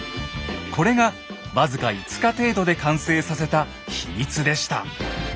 これが僅か５日程度で完成させた秘密でした。